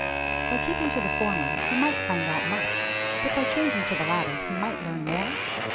By keeping to the former, he might find out much; but by changing to the latter he might learn more?